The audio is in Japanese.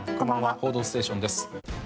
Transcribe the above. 『報道ステーション』です。